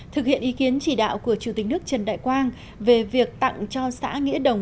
thực hiện ý kiến chỉ đạo của chủ tịch nước trần đại quang về việc tặng cho xã nghĩa đồng